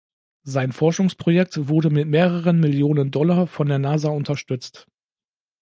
Sein Forschungsprojekt wurde mit mehreren Millionen Dollar von der Nasa unterstützt.